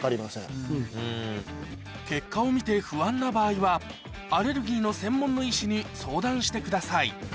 結果を見て不安な場合はアレルギーの専門の医師に相談してください